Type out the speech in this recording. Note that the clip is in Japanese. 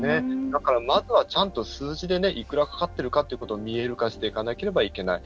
だから、まずはちゃんと数字でいくらかかってるかということを見える化していかなければいけない。